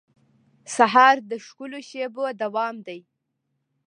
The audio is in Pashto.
سهار د ښکلو شېبو دوام دی.